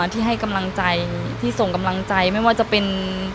ที่ให้กำลังใจที่ส่งกำลังใจไม่ว่าจะเป็น